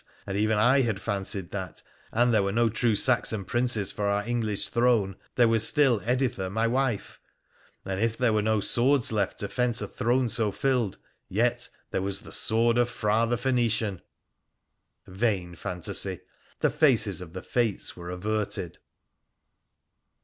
and even I had fancied that, an there were no true Saxon Princes for our English throne, there was still Editha, my wife ; an if there were no swords left to fence a throne so filled, yet there was the sword of Phra the Phoenician ! Vain fantasy ! The faces of the Fates were averted.